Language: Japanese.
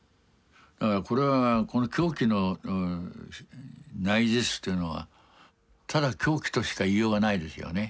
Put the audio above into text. これはこの狂気の内実というのはただ狂気としか言いようがないですよね。